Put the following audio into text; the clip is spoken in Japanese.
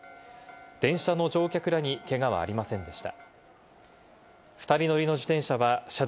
電車の乗客らにけがはありませんでした。